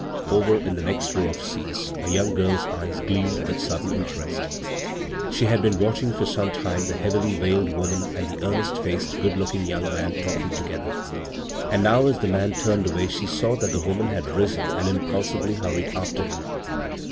Over in the next row of seats a young 7S bvGoog[c CROSS CURRENTS gill's eyes gleamed with sudden interest She had been watching for some time the heavily veiled woman and the earnest faced, good looking young man talking together, and now as the man tamed away she saw that the woman had risen and impulsively hurried after him.